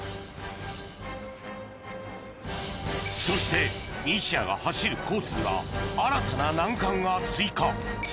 そして西矢が走るコースには新たな難関が追加